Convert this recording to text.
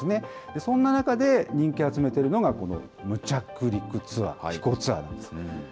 そんな中で、人気を集めているのが、この無着陸ツアー、飛行ツアーなんです。